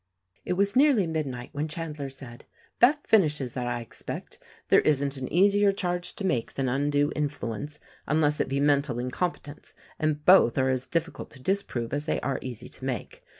It was nearly midnight when Chandler said, "That fin ishes it, I expect. There isn't an easier charge to make than undue influence — unless it be mental incompetence — and both are as difficult to disprove as they are easy to make.